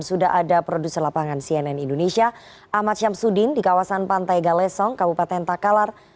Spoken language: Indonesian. sudah ada produser lapangan cnn indonesia ahmad syamsuddin di kawasan pantai galesong kabupaten takalar